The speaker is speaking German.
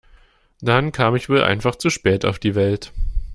Dann kam ich wohl einfach zu spät auf die Welt.